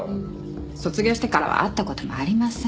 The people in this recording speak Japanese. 卒業してからは会った事もありません。